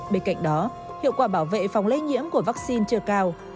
bên cạnh đó hiệu quả bảo vệ phòng lây nhiễm của vaccine chưa cao